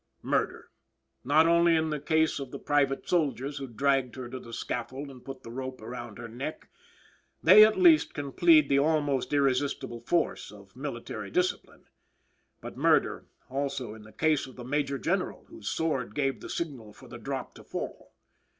Murder, not only in the case of the private soldiers who dragged her to the scaffold and put the rope about her neck; they, at least can plead the almost irresistible force of military discipline. But murder, also, in the case of the Major General whose sword gave the signal for the drop to fall.